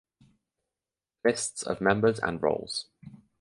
List of members and roles.